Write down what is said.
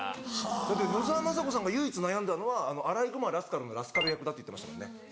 だって野沢雅子さんが唯一悩んだのは『あらいぐまラスカル』のラスカル役だって言ってましたもんね。